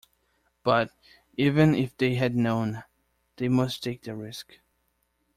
But, even if they had known, they must take the risk.